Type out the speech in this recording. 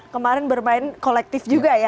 kemarin bermain kolektif juga ya